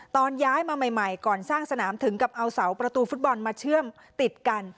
ตอนย้ายมาใหม่ก่อนสร้างสนามถึงกับเอาเสาประตูฟุตบอลมาเชื่อมติดกัน